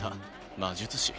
「魔術師」